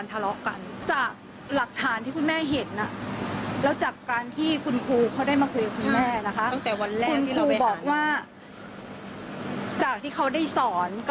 ฟังเสียงคุณแม่และก็น้องที่เสียชีวิตค่ะ